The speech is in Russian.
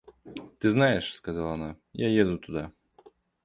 — Ты знаешь, — сказала она, — я еду туда.